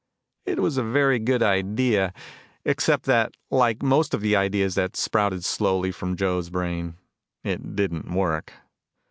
It was a very good idea except that like most of the ideas that sprouted slowly from Joe's brain, it didn't work.